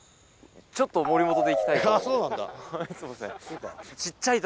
ちょっと森本で行きたいかなと。